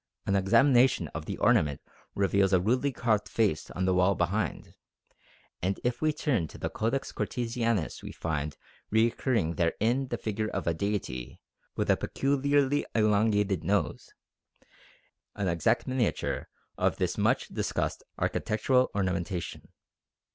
An examination of the ornament reveals a rudely carved face on the wall behind; and if we turn to the Codex Cortesianus we find recurring therein the figure of a deity with a peculiarly elongated nose, an exact miniature of this much discussed architectural ornamentation.